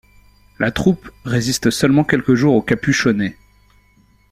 La troupe résiste seulement quelques jours aux Capuchonnés.